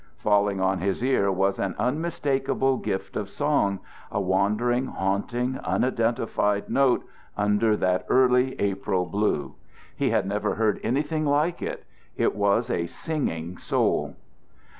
Falling on his ear was an unmistakable gift of song, a wandering, haunting, unidentified note under that early April blue. He had never heard anything like it. It was a singing soul.